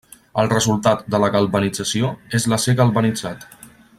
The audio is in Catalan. El resultat de la galvanització és l'acer galvanitzat.